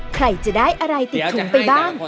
ใครจะได้อะไรติดถุงไปบ้าง